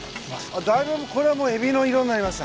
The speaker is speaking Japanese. あっだいぶこれはもうエビの色になりました。